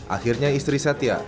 akhirnya istri setia